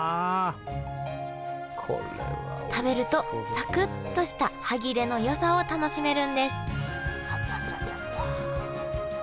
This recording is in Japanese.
食べるとサクッとした歯切れのよさを楽しめるんですあちゃちゃちゃちゃ。